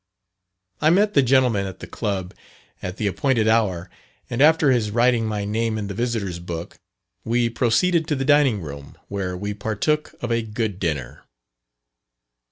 I met the gentleman at the Club, at the appointed hour, and after his writing my name in the visitors' book, we proceeded to the dining room, where we partook of a good dinner.